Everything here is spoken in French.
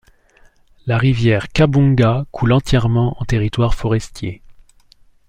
La rivière Cabonga coule entièrement en territoire forestier.